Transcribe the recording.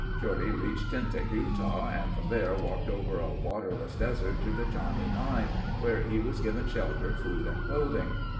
'" Shorty reached Tintic, Utah, and from there walked over a waterless desert to the Johnnie mine, where he was given shelter, food, and clothing.